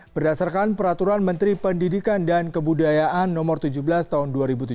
berdasarkan peraturan menteri pendidikan dan kebudayaan no tujuh belas tahun dua ribu tujuh belas